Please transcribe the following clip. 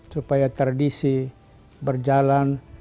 supaya tradisi berjalan